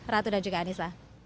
ratu dan juga anissa